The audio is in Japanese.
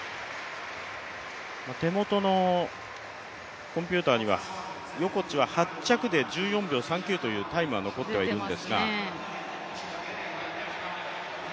手元のコンピューターには横地は８着で１４秒３９というタイムが残ってはいるんですが。